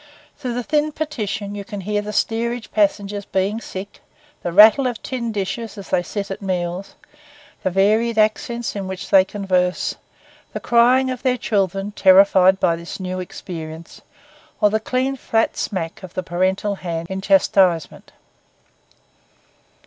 Through the thin partition you can hear the steerage passengers being sick, the rattle of tin dishes as they sit at meals, the varied accents in which they converse, the crying of their children terrified by this new experience, or the clean flat smack of the parental hand in chastisement.